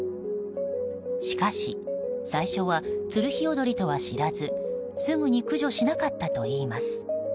しかし最初はツルヒヨドリとは知らずすぐに駆除しなかったといいます。